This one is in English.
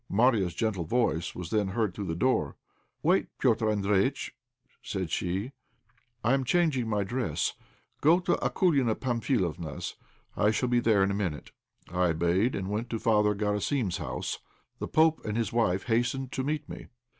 Marya's gentle voice was then heard through the door. "Wait, Petr' Andréjïtch," said she, "I am changing my dress. Go to Akoulina Pamphilovna's; I shall be there in a minute." I obeyed and went to Father Garasim's house. The pope and his wife hastened to meet me.